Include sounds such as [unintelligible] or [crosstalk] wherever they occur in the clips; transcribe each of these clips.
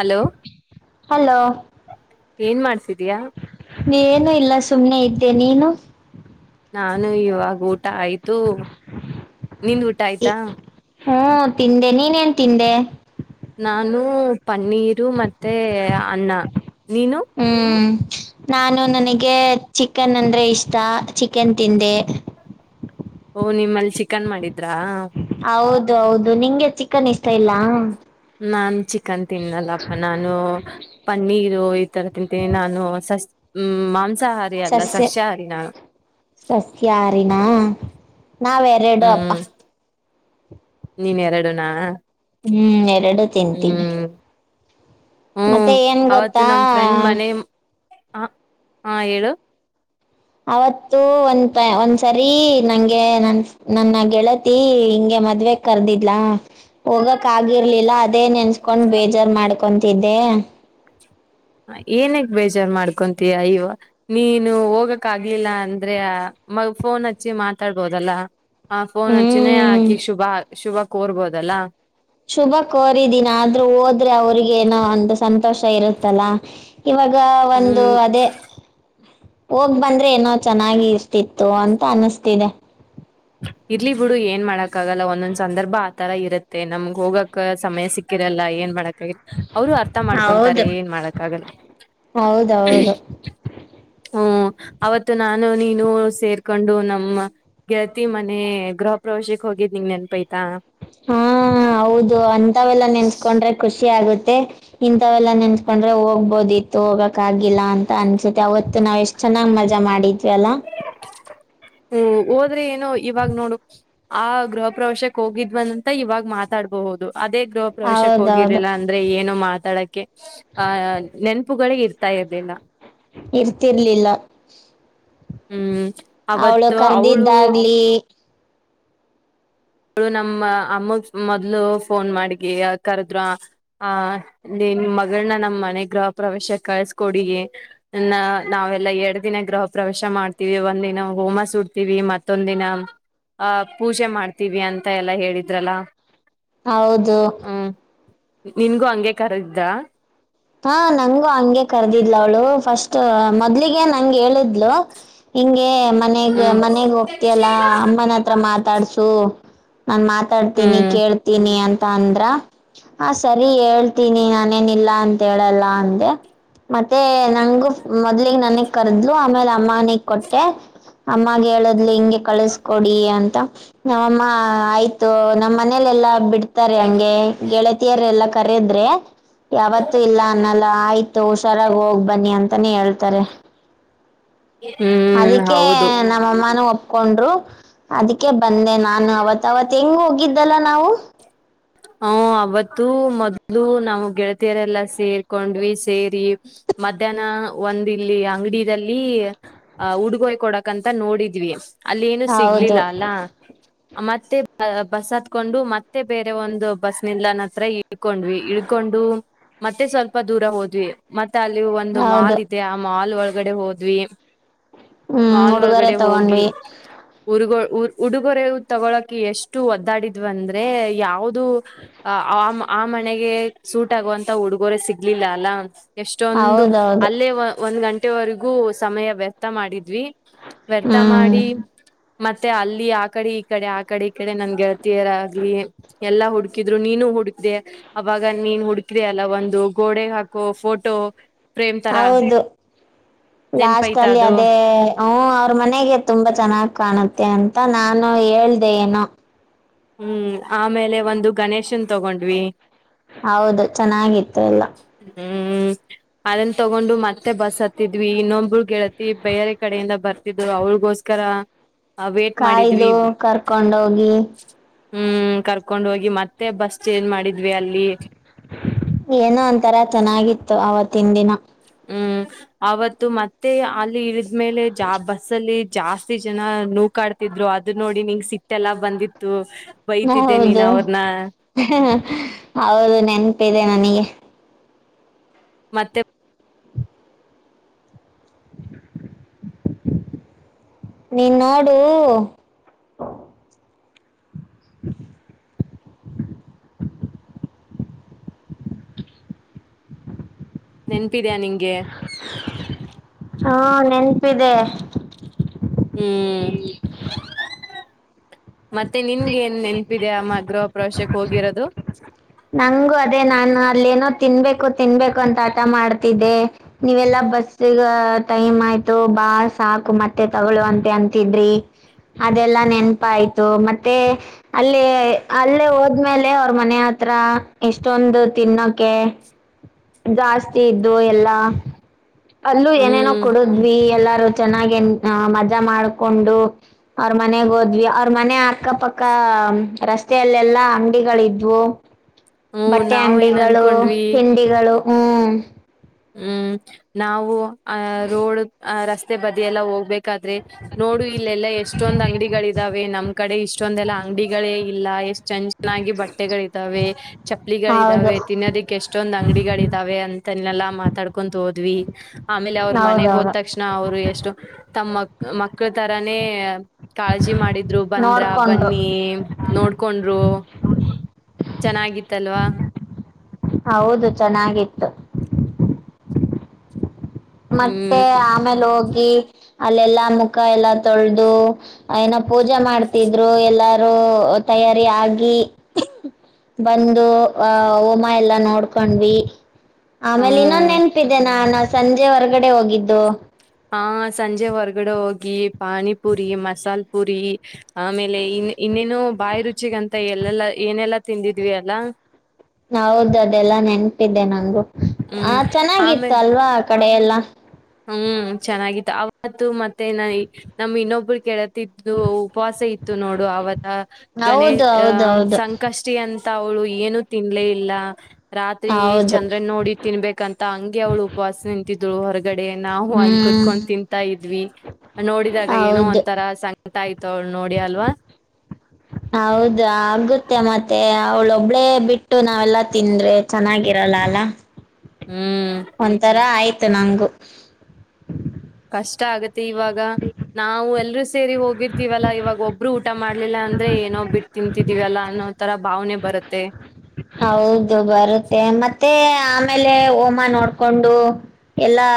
Hello hello ಏನ್ ಮಾಡ್ಸಿದಿಯ ಏನು ಇಲ್ಲ ಸುಮ್ನೆ ಇದ್ದೆ ನೀನು ನಾನು ಇವಾಗ ಊಟ ಆಯ್ತು ನಿಂದ ಊಟ ಆಯ್ತಾ ಹ್ಮ ತಿಂದೆ ನೀನೇನ್ ತಿಂದೆ ನಾನು ಪನ್ನೀರು ಮತ್ತೆ ಅನ್ನ ನೀನು ಹ್ಮ್ ನಾನು ನನಗೆ ಚಿಕನ್ ಅಂದ್ರೆ ಇಷ್ಟ ಚಿಕನ್ ತಿಂದೆ ಓ ನಿಮ್ಮಲ್ಲಿ ಚಿಕನ್ ಮಾಡಿದ್ರಾ ಹೌದು ಹೌದು ನಿಂಗೆ ಚಿಕನ್ ಇಷ್ಟ ಇಲ್ಲ ನಾನ್ ಚಿಕನ್ ತಿನ್ನಲ್ಲಪ್ಪ ನಾನು ಪನ್ನೀರು ಈ ತರ ತಿಂತೀನಿ ನಾನು ಸಸ್ ಹ್ಮ ಮಾಂಸಾಹಾರಿ ಅಲ್ಲ ಸಸ್ಯಾಹಾರಿ ನಾನು ಸತ್ಯತ್ಯಾರೀನಾ ನಾವೆ ಹ್ಮ್ ನೀನ್ ಎರಡುನಾ ಹ್ಮ್ ಎರಡು ತಿಂತೀನಿ ಹ್ಮ್ ಹ್ಮ್ ಮತ್ತೆ ಏನ್ ಅವತ್ತು ಗೊತ್ತಾ ನಮ ಫ್ರೆಂಡ್ ಮನೆ ಹ ಹಾ ಹೇಳು ಅವತ್ತು ಒಂದ ಒಂದ್ಸರಿ ನಂಗೆ ನನ್ ನನ್ನ ಗೆಳತಿ ಹಿಂಗೆ ಮದ್ವೆ ಕರ್ದಿದ್ಲಾ ಹೋಗಕ್ ಆಗಿರ್ಲಿಲ್ಲ ಅದೇ ನೆನ್ಸ್ಕೊಂಡ್ ಬೇಜಾರ್ ಮಾಡ್ಕೊತಿದ್ದೆ ಏನಗ್ ಬೇಜಾರ್ ಮಾಡ್ಕೊತೀಯಾ ಇವ ನೀನು ಹೋಗಕ್ ಆಗ್ಲಿಲ್ಲ ಅಂದ್ರೆ ಮ ಫೋನ್ ಹಚ್ಚಿ ಮಾತಾಡ್ಬೋದಲ್ಲ ಆ ಫೋನ್ ಹಚ್ಚಿನೇ ಹ್ಮ್ ಹಾಕಿ ಶುಭ ಶುಭ ಕೋರ್ಬೋದಲ್ಲಾ ಶುಭ ಕೋರಿದೀನ ಆದ್ರೂ ಹೋದ್ರೆ ಅವ್ರಿಗೆ ಏನೋ ಒಂದು ಸಂತೋಷ ಇರುತ್ತಲ್ಲ ಇವಾಗ ಒಂದು ಹ್ಮ್ ಅದೇ ಹೋಗ್ ಬಂದ್ರೆ ಏನೋ ಚೆನ್ನಾಗಿ ಇಷ್ಟತಿತ್ತು ಅಂತ ಅನಿಸ್ತಿದೆ ಇರ್ಲಿ ಬಿಡು ಏನ್ ಮಾಡಕ್ ಆಗಲ್ಲ ಒಂದೊಂದ್ ಸಂದರ್ಭ ಆತರ ಇರುತ್ತೆ ನಮ್ಗ್ ಹೋಗಕ್ ಸಮಯ ಸಿಕ್ ಹಿರಲ್ಲ ಏನ್ ಮಾಡ ಅವರು ಅರ್ಥ ಮಾಡ್ಕೊಂತಾರೆ ಹೌದು ಏನ್ ಮಾಡಕ್ಕ ಆಗಲ್ಲ ಹೌದೌದು ಹ್ಮ ಅವತ್ತು ನಾನು ನೀನು ಸೇರ್ಕೊಂಡು ನಮ್ಮಗೆ ಮನೆ ಗೃಹ ಪ್ರವೇಶಕ್ಕೆ ಹೋಗಿದ್ ನಿಂಗ ನೆನ್ಪೈತಾ ಹಾ ಹೌದು ಅಂತವೆೆಲ್ಲಾ ನೆನ್ಸ್ಕೊಂಡ್ರೆ ಖುಷಿ ಆಗುತ್ತೆ ಇಂಥವೆಲ್ಲಾ ನೆನ್ತ್ಕೊಂಡ್ರೆ ಹೋಗ್ಬೋದಿತ್ತು ಹೋಗಕ್ ಆಗಿಲ್ಲಾ ಅಂತ ಅನ್ಸುತ್ತೆ ಅವತ್ತು ನಾವ್ ಎಷ್ಟ ಚೆನ್ನಾಗಿ್ ಮಜಾ ಮಾಡಿದ್ವಿಲ್ಲ ಹೂ ಹೋದ್ರೆ ಏನೋ ಇವಾಗ ನೋಡು ಆ ಗೃಹ ಪ್ರವೇಶಕ್ ಹೋಗಿದ್ವನ್ಂತ ಇವಾಗ ಮಾತಾಡ್ಬಹುದು ಅದೇ ಗೃಹ ಪ್ರವೇಶಕ್ ಹೌದೌದು ಹೋಗಿರಲಿಲ್ಲ ಅಂತ ಅಂದ್ರೆ ಏನೋ ಮಾತಾಡಕ್ಕೆ ಆಹ ನೆನಪುಗಳಿಗೆ ಇರ್ತಾ ಇರ್ಲಿಲ್ಲ ಇರ್ತಿರ್ಲಿಲ್ಲ ಹ್ಮ್ ಅವಳು ಅವತ್ತು ಅವಳು ಕರ್ದಿದ್ದಾಗ್ಲಿ ಅವಳು ನಮ್ಮ ಅಮ್ಮ ಮೊದ್ಲು ಫೋನ್ ಮಾಡಗಿ ಕರೆದ್ರ ಹ ಅ ನಿಮ್ ಮಗಳನ್ನ ನಮ್ಮ್ ಮನೆ ಗೃಹ ಪ್ರವೇಶ ಕಳ್ಸ್ಕೊಡಿಗೆ ನ ನಾವೆಲ್ಲಾ ಎರಡ್ ದಿನ ಗೃಹ ಪ್ರವೇಶ ಮಾಡ್ತೀವಿ ಒಂದ್ ದಿನ ಹೋಮ ಸುಡ್ತೀವಿ ಮತ್ತೊಂದ ದಿನ ಆ ಪೂಜೆ ಮಾಡ್ತೀವಿ ಅಂತ ಎಲ್ಲ ಹೇಳಿದ್ರಲ್ಲ ಹೌದು ಹೂ ನಿನ್ಗೂ ಹಂಗೆ ಕಾರ್ಡ್ರ ಹಾ ನಂಗೂ ಹಂಗೆ ಕರ್ದಿದ್ಲ ಅವ್ಳು ಫಸ್ಟ್ ಮೊದ್ಲಿಗೆ ನಂಗ ಹೇಳಿದ್ಲು ಹಿಂಗೆ ಮನೆಗ್ ಹ್ಮ್ ಮನೆಗ್ ಹೋಗ್ ತ್ಯಲ್ಲಾ ಅಮ್ಮನ ಹತ್ರ ಮಾತಾಡ್ಸು ನಾನ್ ಮಾತಾಡ್ತೀನಿ ಹ್ಮ್ ಕೇಳ್ತೀನಿ ಅಂತ ಅಂದ್ರ ಹ ಸರಿ ಹೇಳ್ತೀನಿ ನಾನೇನಿಲ್ಲ ಅಂತ ಹೇಳಲ್ಲ ಅಂದೆ ಮತ್ತೆ ನಂಗು ಮೊದ್ಲಗ್ ನನಗ್ ಕರ್ದ್ಲು ಆಮೇಲೆ ಅಮ್ಮನಿಗ್ ಕೊಟ್ಟೆ ಅಮ್ಮಾಗ ಹೇಳದ್ಲು ಹಿಂಗೆ ಕಳಸ್್ಕೊಡಿ ಅಂತ ನಮ್ಮಮ್ಮ ಆಯ್ತು ನಮ್ಮನೆ ಮನೇಲೆ ಎಲ್ಲಾ ಬಿಡ್ತಾರೆ ಹಂಗೆ ಗೆಳತಿಯರ್ ಎಲ್ಲಾ ಕರದ್ರೆ ಯಾವತ್ ಇಲ್ಲ ಅನ್ನಲ್ಲ ಆಯ್ತು ಹುಷರಾಗ ಹೋಗ್ ಬನ್ನಿ ಅಂತಾನೇ ಹೇಳ್ತಾರೆ ಹೂ ಅದಕ್ಕೆ ನಮ್ಮಅಮ್ಮನುೂ ಒ ಹಕೊಂಡ್ರು ಅದಕ್ಕೆ ಬಂದೆ ನಾನು ಅವತ್ ಅವತ್ ಹೆಂಗ ಹೋಗಿದ್ದಲ್ಲ ನಾವು ಹೂ ಅವತ್ತು ಮೊದ್ಲು ನಾವು ಗೆಳತಿಯರೆಲ್ಲಾ ಸೇರ್ಕೊಂಡ್ವಿ ಸೇರಿ ಮಧ್ಯಾಹ್ನ ಒಂದ್ ಇಲ್ಲಿ ಅಂಗಡಿ ಇದಲ್ಲಿ ಅ ಉಡುಗೊಯ್ ಕೊಡಕ್ಂತ ನೋಡಿದ್ವಿ ಅಲ್ಲಿ ಏನು ಹೌದು ಸಿಗ್ಲಿಲ್ಲ ಅಲ್ಲಾ ಮತ್ತೆ ಬಸ್ ಹತ್ಕೊಂಡು ಮತ್ತೆ ಬೇರೆ ೆ ಒಂದು ಬಸ್ ನಿಲ್ ನ ಹತ್ರ ಇಳ್ಕೊಂಡ್ವಿ ಇಳ್ಕೊಂಡು ಮತ್ತೆ ಸ್ವಲ್ಪ ದೂರ ಹೋದ್ವಿ ಮತ್ತೆ ಅಲ್ಲಿ ಒಂದು ಮಾಲ್ ಹೌದು ಇದೆ ಆ ಮಾಲ್ ಒಳಗಡೆ ಹೋದ್ವಿ ಹ್ಮ್ ಮಾಲ್ ಉಡುಗೊರೆ ಒಳಗಡೆ ಹೋಗಿ ತಗೊಂಡ್ವಿ ಉರುಗೊ ಉಡುಗೊರೆ ತಗೊಳಕ ಎಷ್ಟು ಒದ್ದಾಡಿದ್ವ ಅಂದ್ರೆ ಯಾವ ಂದು ಅ ಆ ಮನೆಗೆ ಸೂಟ್ ಆಗುವಂತ ಉಡುಗೊರೆ ಸಿಗ್ಲಿಲ್ಲ ಅಲ್ಲ ಎಷ್ಟೊಂದು ಹೌದೌದು ಅಲ್ಲೇ ಒಂದ್ ಗಂಟೆವರೆಗೂ ಸಮಯ ವ್ಯರ್ಥ ಮಾಡಿದ್ವಿ ವ್ಯರ್ಥ ಹ್ಮ್ ಮಾಡಿ ಮತ್ತೆ ಅಲ್ಲಿ ಆ ಕಡೆ ಈ ಕಡೆ ಆ ಕಡೆ ಈ ಕಡೆ ನನ್ ಗೆಳ್ತರ ಆಗ್್ಲಿ ಎಲ್ಲಾ ಹುಡುಕಿದ್ರು ನೀನು ಹುಡುಕ್ದ ಅವಾಗ ನೀನ್ ಹುಡ್ಕಿದ ಅಲ್ಲ ಒಂದು ಗೋಡೆ ಹಾಕೋ ಫೋಟೋ ಫ್ರೇಮ್ ತರ ಹೌದು ಲಾಸ್ಟ್ ನೆನ್ಪೈತ ಅಲ್ಲಿ ಅದು ಅದೇ ಹ ಅವ್ರ ಮನೆಗೆ ತುಂಬಾ ಚೆನ್ನಾಗ್ ಕಾಣುತ್ತೆ ಅಂತ ನಾನು ಹೇಳ್ದೆ ಏನು ಹೂ ಆಮೇಲೆ ಒಂದು ಗಣೇಶನ್ ತಗೊಂಡ್ವಿ ಹೌದು ಚೆನ್ನಾಗಿತ್ತು ಎಲ್ಲ ಹೂ ಅದನ್ನ ತಗೊಂಡು ಮತ್ತೆ ಬಸ್ ಹತ್ತಿದ್ವಿ ಇನ್ನೊಂದು ಒಬ್್ರ ಗೆಳತಿ ಬೇರೆ ಕಡೆಯಿಂದ ಬರ್ತಿದ್ರು ಅವ್ರಿಗೋಸ್ಕರ ಕಾಯ್ದು ಕರ್ಕೊಂಡೋಗಿ ಹೂ ಕರ್ಕೊಂಡ್ ಹೋಗಿ ಮತ್ತೆ ಬಸ್ ಚೇಜ್ ಮಾಡಿದ್ವಿ ಅಲ್ಲಿ ಏನೋ ಒಂತರ ಚೆನ್ನಾಗಿತ್ತು ಅವವತ್ತಿನ ದಿನ ಹ್ಮ್ ಅವತ್ತು ಮತ್ತೆ ಅಲ್ಲಿ ಇಳಿದ್ಮೇಲೆ ಜಾ ಬಸ್ಸಲ್ಲಿ ಜಾಸ್ತಿ ಜನ ನೂ ಕಾಡ್ತಿದ್ರು ಅದ ನೋಡಿ ನಿಂಗ ಸಿಟ್ಟೆಲ್ಲಾ ಬಂದಿತ್ತು ಬೈತಿದ್ದೆ ನೀನ್ ಹೌದು ಅವ್ರನ್ನ ಅವದು ನೆನಪೇದೆ ನನಗೆ ಮತ್ತೆ ನೀನ್ ನೋಡು ನೆನ್ಪಿದ್ಯಾ ನಿಂಗೆ ಹಾ ನೆನಪಿದೆ ಹ್ಮ್ ಮತ್ತೆ ನಿನ್ಗೆ ನ್ ನೆನಪಿದ ಮಗ್ರೋ ಪ್ರಾಶ್ಯಕ್ ಹೋಗಿರೋದು ನಂಗು ಅದೇ ನಾನು ಅಲ್ಲೇನೋ ತಿನ್ಬೇಕು ತಿನ್ಬೇಕು ಅಂತ ಆಟ ಮಾಡ್ತಿದ್ದೆ ನೀವೆಲ್ಲಾ ಬಸ್ಸಗ ಟೈಮ್ ಆಯ್ತು ಬಾ ಸಾಕು ಮತ್ತೆ ತಗೊಳ್ಳುವ ಅಂತೆ ಅಂತಿದ್ರಿ ಅದೆಲ್ಲಾ ನೆನಪ ಆಯ್ತು ಮತ್ತೆ ಅಲ್ಲಿ ಅಲ್ಲೇ ಹೋದ್ಮೇಲೆ ಅವ್ರ ಮನೆ ಹತ್ರ ಎಷ್ಟೊಂದು ತಿನ್ನೋಕ ಜಾಸ್ತಿ ಇದ್ದು ಎಲ್ಲಾ ಅಲ್ಲೂ ಏನೇನೋ ಹ್ಮ್ ಕೊಡುದ್ವಿ ಎಲ್ಲಾರು ಚೆನ್ನಾಗಿ ಮಜಾ ಮಾಡ್ಕೊಂಡು ಅವ್ರ ಮನೆಗೆ ಹೋದ್ವಿ ಅವ್ರ ಮನೆ ಅಕ್ಕಪಕ್ಕ ರಸ್ತೆಯಲ್ಲೆಲ್ಲಾ ಅಂಗಡಿಗಳಿದ್ವು ಹ್ಮ್ ಬಟ್ಟೆ ನಾವ್ ಏನ್ ಅಂಡಿಗಳು ಅನ್ಕೊಂಡ್ವಿ ತಿಂಡಿಗಳು ಹ್ಮ ಹ್ಮ್ ನಾವು ಅಹ ರೋಡ್ ಅ ರಸ್ತೆ ಬದಿ ಎಲ್ಲ ಹೋಗ್ಬೇಕ ಾದ್ರೆ ನೋಡು ಇಲ್ಲೆಲ್ಲಾ ಎಷ್ಟ ಇಷ್ಟೊಂದ್ ಅಂಗಡಿಗಳ ಇದಾವೆ ನಮ್ಮ ಕಡೆ ಇಷ್ಟೊಂದಲ್ಲ ಅಂಗಡಿಗಳೇ ಇಲ್ಲ ಎಷ್ಟ ಚೆ ಚೆನ್ನಾಗಿ ಬಟ್ಟೆಗಳಿದ್ದಾವೆ ಚಪ್ಪಲಿಗಳು ಹೌದು ಇದಾವೆ ತಿನ್ನೋದಿಕ್ಕೆ ಎಷ್ಟೊಂದ್ ಅಂಗಡಿಗಳ ಇದಾವೆ ಅಂತನೆೆಲ್ಲಾ ಮಾತಾಡ್ಕೊಂಡು ಹೋದ್ವಿ ಆಮೇಲೆ ಅವ್ರ ಮನೆಗೆ ಹೋದ್ ಹೌದೌದು ತಕ್ಷಣ ಅವರು ಎಷ್ಟು ತಮ್ಮ ಮಕ್ಕಳ ತರಾನೇ ಕಾಳಜಿ ಮಾಡಿದ ಬಂದ್ರ ನೋಡ್ಕೊಂಡ್ರು ಬನ್ನಿ ನೋಡ್ಕೊಂಡರು ಚೆನ್ನಾಗಿತ್ತಲ್ವಾ ಹೌದು ಚೆನ್ನಾಗಿತ್ತು ಮತ್ತೆ ಹ್ಮ್ ಆಮೇಲೆ ಹೋಗಿ ಅಲ್ಲೆಲ್ಲಾ ಮುಖ ಎಲ್ಲ ಏನ ಪೂಜೆ ಮಾಡ್ತಿದ್ರು ಎಲ್ಲಾರೂ ತಯಾರಿ ಆಗಿ ಬಂದು ಆಹ ಹೋಮ ಎಲ್ಲಾ ನೋಡ್ಕೊಂಡ್ವಿ ಆಮೇಲೆ ಇನ್ನೊಂದು ಹ್ಮ್ ನೆನಪಿದೆ ನ ನಾ ಸಂಜೆ ಹೊರ್ಗಡೆ ಹೋಗಿದ್ದು ಹಾ ಸಂಜೆ ಹೊರ್ಗಡೆ ಹೋಗಿ ಪಾನಿಪುರಿ ಮಸಾಲ ಪುರಿ ಆಮೇಲೆ ಇನ್ ಇನ್ನೇನುೋ ಬಾಯಿ ರುಚಿಗಂತ ಎಲ್ಲೆಲ್ಲಾ ಏನೆಲ್ಲಾ ತಿಂದಿದ್ವಿ ಅಲ್ಲಾ ಹೌದ ಅದೆಲ್ಲ ನೆನ್ಪಿದ್ದೆ ನಂಗು ಆ ಹ್ಮ್ ಆಮೇ ಚೆನ್ನಾಗಿತ್ತು ಅಲ್ವಾ ಆ ಕಡೆ ಎೆಲ್ಲಾ ಹ್ಮ್ ಚೆನ್ನಾಗಿತ್ತು ಅವತ್ತು ಮತ್ತೆ ನ ನಮ್ ಇನ್ನೊಬ್ಬರು ಗೆಳತಿ ಉಪವಾಸ ಇತ್ತು ನೋಡು ಅವತ್ತ ಗಣ ಹೌದು ಹೌದು ಅಹ ಹೌದು ಸಂಕಷ್ಟ ಅಂತ ಅವಳು ಏನು ತಿನ್ಲೇ ಇಲ್ಲ ರಾತ್ರಿ ಹೌದು ಚಂದ್ರನ್ ನೋಡಿ ತಿನ್ಬೇಕಂತ ಹಂಗೆ ಅವ್ಳು ಉಪವಾಸ ನಿಂತಿದ್ಳು ಹೊರಗಡೆ ನಾವು ಅಲ್ಲಿ ಹ್ಮ್ ಕುೂತ್ಕೊಂಡು ತಿಂತಾ ಇದ್ವಿ ನೋಡಿದಾಗ ಏನೋ ಹೌದು ಒಂಂತರ ಸಂಗಟ ಆಯ್ತ ಅವಳ ನೋಡಿ ಅಲ್ವಾ ಹೌದ ಆಗುತ್ತೆ ಮತ್ತೆ ಅವಳ ಒಬ್ಳೇ ಬಿಟ್ಟು ನಾವೆಲ್ಲಾ ತಿಂದ್ರೆ ಚೆನ್ನಾಗಿರಲ್ಲ ಅಲ್ಲ ಹ್ಮ್ ಒಂತರ ಆಯ್ತು ನಂಗ ಕಷ್ಟ ಆಗತ್ತೆ ಇವಾಗ ನಾವು ಎಲ್ರೂ ಸೇರಿ ಹೋಗಿರ್ತಿವಲ್ಲಾ ಇವಾಗ ಒಬ್ರು ಊಟ ಮಾಡ್ಲಿಲ್ಲ ಅಂದ್ರೆ ಏನೋ ಬಿಟ್ಟು ತಿಂತಿದಿವವಲ್ಲಾ ಅನ್ನೋ ತರ ಭಾವನೆ ಬರುತ್ತೆ ಹೌದು ಬರುತ್ತೆ ಮತ್ತೆ ಆಮೇಲೆ ಹೋಮ ನೋಡ್ಕೊಂಡು ಎಲ್ಲಾ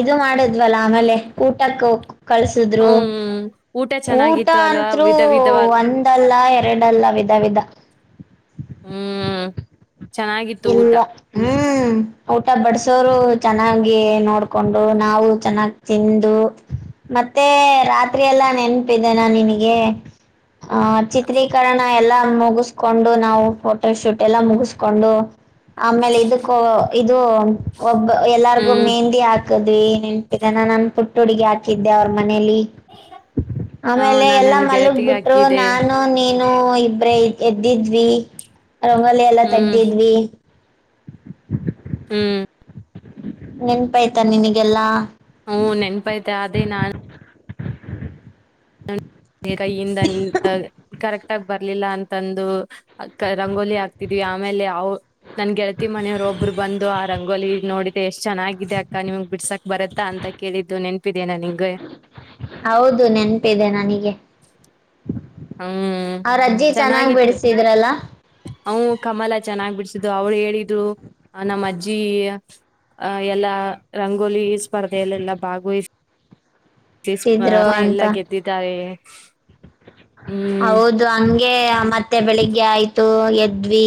ಇದು ಮಾಡಿದ್ವಲ್ಲ ಆಮೇಲೆ ಊಟಕ್ಕೆ ಕಳ್ಸಿದ್ರು. ಹ್ಮ ಊಟ. ಊಟ ಚೆನ್ನಾಗಿತ್ತು ಅಲ್ವಾ ಅಂತ್ರು ವಿಧ ವಿಧವಾದ ಒಂದಲ್ಲ ಎರಡಲ್ಲ ವಿಧ ವಿಧ. ಹ್ಮ್ ಚೆನ್ನಾಗಿತ್ತು ಊಟ ಇಲ್ಲ ಹ್ಮ್ ಹ್ಮ ಊಟ ಬಡಸೋರು ಚೆನ್ನಾಗಿ ನೋಡ್ಕೊಂಡು ನಾವು ಚೆನ್ನಾಗ್ ತಿಂದು. ಮತ್ತೆ ರಾತ್ರಿ ಎಲ್ಲ ನೆನಪಿದ್ದನ ನಿನಗೆ ಆ ಚಿತ್ರೀಕರಣ. ಎಲ್ಲಾ ಮುಗಸ್ಕೊಂಡು ನಾವು ಫೋಟೋ ಶೂಟ್ ಎಲ್ಲಾ ಮುಗೂಸ್ಕೊಂಡು. ಆಮೇಲೆ ಇದಕ್ಕ ಇದು. ಒಬ್ಬ ಎಲ್ಲಾರ್ಗು ಹ್ಮ್ ಮೆಹಂದಿ ಹಾಕದ್ವಿ ನೆನ್ಪಿದೆನ ನಾನ್ ಪುಟ್ ಹುಡುಗಿ ಹಾಕಿದ್ದೆ ಅವ್ರ ಮನೇಲಿ ಹ ಆಮೇಲೆ ನಾನ್ ಎಲ್ಲಾ ನನ್ ಮಲಗ್ ಗೆಳತಿಗೆ ಬಿಟ್ರು ಹಾಕಿದೆ ನಾನ್ ನು ನೀನು ಇಬ್ರೇ ಎದ್ದಿದ್ವಿ ರಂಗೋಲಿ ಎಲ್ಲಾ ಹ್ಮ್ ತೆಗ್ದಿದ್ವಿ. ಹ್ಮ್ ನೆನ್ಪಾಯ್ತ ನಿನಗೆಲ್ಲಾ. ಹ್ಮ್ ನೆನ್ಪಾಯತೆ ಅದೇ ನಾನು. ಈಗ ಇಂದ [unintelligible] ಕರೆಕ್ಟ್ ಆಗ ಬರ್ಲಿಲ್ಲ ಅಂತಂದು ರಂಗೋಲಿ ಹಗ್ತಿದ್ವಿ ಆಮೇಲೆ ಅವ್ ನನ್ ಗೆಳ್ತಿ ಮನೆಯವ್ರು ಒಬ್ರು ಬಂದು ಆ ರಂಗೋಲಿ ನೋಡಿದೆ ಎಷ್ಟ್ ಚೆನ್ನಾಗಿದೆ ಅಕ್ಕ ನಿಮ್ಗ್ ಬಿಡ್ಸಾಕ್ ಬರತ್ತ ಅಂತ. ಕೇಳಿದ್ದು ನೆನಪಿದ್ದೇನ ನಿನ್ಗೆ. ಹೌದು ನೆನಪಿದೆ ನನಿಗೆ. ಹ್ಮ್ ಅವ್ರಜ್ಜಿ ಚೆನ್ನಾಗಿ ಬಿಡಸಿದ್ರಲ್ಲ. ಹ್ಮ್ ಕಮಲ ಚೆನ್ನಾಗ್ ಬಿಡ್ಸಿದಿದ್ದು ಅವ್ರು ಹೇಳಿದ್ರು ನಮ್ಮ್ ಅಜ್ಜಿ. ಅ ಎಲ್ಲಾ ರಂಗೋಲಿ ಸ್ಪರ್ಧೆಯಲ್ಲೆಲ್ಲಾ ಭಾಗವಹಿಸ್ ತಿದ್ರು [unintelligible] ಎಲ್ಲ ಅಂತ ಗೆದ್ದಿದ್ದಾರೆ ಹ್ಮ್. ಹೌದು ಹಂಗೆ ಮತ್ತೆ ಬೆಳಿಗ್ಗೆ ಆಯ್ತು ಎದ್ವಿ.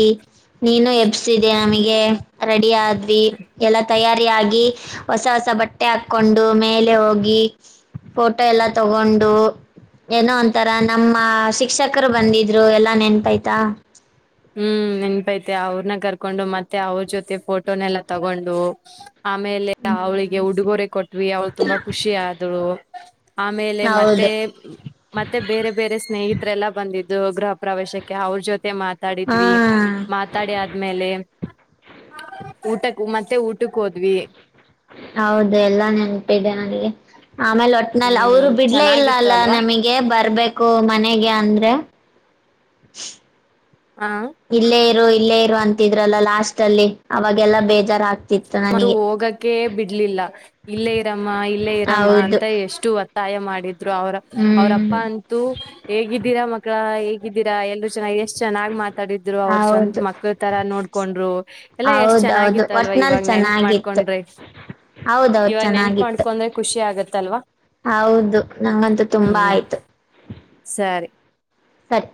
ನೀನು ಎಬ್ಸಿದೀ ನಮಗೆ ರೆಡಿ ಆದ್ ಎಲ್ಲ ತಯಾರಿಯಾಗಿ ಹೊಸ ಹೊಸ ಬಟ್ಟೆ ಹಾಕೊಂಡು ಮೇಲೆ ಹೋಗಿ. ಫೋಟೋ ಎಲ್ಲ ತಗೊಂಡು. ಏನೋ ಒಂತರ ನಮ್ಮ ಶಿಕ್ಷಕರು ಬಂದಿದ್ರು ಎಲ್ಲಾ ನೆನಪಾಯ್ತಾ. ಹ್ಮ್ ನೆನ್ಪೈತೆ ಅವ್ರನ ಕರ್ಕೊಂಡು ಮತ್ತೆ ಅವ್ರ ಜೊತೆ ಫೋಟೋನೆಲ್ಲ ತಗೊಂಡು. ಆಮೇಲೆ ಅವಳಿಗೆ ಉಡುಗೊರೆ ಕೊಟ್ವಿ ಅವ್ಳು ತುಂಬಾ ಖುಷಿ ಆದಳು. ಆಮೇಲೆ ಮತ್ತೆ. ಹೌದು ಮತ್ತೆ ಬೇರೆ ಬೇರೆ ಸ್ನೇಹಿತರೆಲ್ಲಾ ಬಂದಿದ್ದು ಗೃಹ ಪ್ರವೇಶಕ್ಕೆ ಅವ್ರ ಜೊತೆ ಹಾ ಮಾತಾಡಿದ್ವಿ. ಮಾತಾಡಿ ಆದ್ಮೇಲೆ ಊಟಕ್ ಮತ್ತೆ ಊಟಕ್ಕೆ ಹೋದ್ವಿ. ಹೌದು ಎಲ್ಲ ನೆನಪಿದೆೆ ನನಗೆ ಆಮೇಲೆ ಒಟ್ ನಲ್ಲಿ ಅವರು ಹ್ಮ್ ಬಿಡ್ಲೇ ಇಲ್ಲ ಚೆನ್ನಾಗಿತ್ತು ಅಲ್ಲ ಅಲ್ವಾ ನಮಗೆ ಬರ್ಬೇಕು ಮನೆಗೆ ಅಂದ್ರೆ. ಹಾ ಇಲ್ಲೇ ಇರು ಇಲ್ಲೇ ಇರು ಅಂತಿದ್ರಲ್ಲ ಲಾಸ್ಟ್ ಅಲ್ಲಿ ಅವಾಗೆಲ್ಲಾ ಬೇಜಾರಾಗ್ ಮತ್ತು ಹೋಗಕ ಬಿಡ್ಲಿಲ್ಲ. ಇಲ್ಲೇ ಇರಮ್ಮ ಇಲ್ಲೇ ಇರಮ್ಮ ಹೌದು ಅಂತ ಎಷ್ಟು ಒತ್ತಾಯ ಮಾಡಿದ್ರು ಅವ್ರ ಹ್ಮ್ ಅವ್ರಪ್ಪ ಅಂತ್ ಹೇಗಿದ್ದೀರಾ ಮಕ್ಕಳ ಹೇಗಿದ್ದೀರಾ ಎಲ್ರು ಚೆನ್ನಾಗಿ ಎಷ್ಟ್ ಚೆನ್ನಾಗ್ ಮಾತ್ ತಡಿದ್ರು ಅವರು ಸ್ವಂತ ಹೌದು ಮಕ್ಕಳ ತರ ನೋಡ್ಕೊಂಡ್ರು ಎಲ್ಲಾ ಎಷ್ಟ್ ಹೌದೌದು ಚೆನ್ನಾಗಿತ್ತ ಅಲ್ವ ಇ ಒಟ್ನಲ್ಲಿ ನೆನ್ಪ ಚೆನ್ನಾಗಿತ್ತು ಮಾಡ್ಕೊಂಡ್ರೆ ಹೌದೌದು ಇವಾಗ ನೆನ್ಪ ಚೆನ್ನಾಗಿತ್ತು ಮಾಡ್ಕೊಂಡ್ರೆ ಖುಷಿ ಆಗತ್ತಲ್ವಾ. ಹೌದು ನಂಗಂತೂ ತುಂಬಾ ಹ್ಮ್ ಆಯ್ತು. ಸರಿ ಸರಿ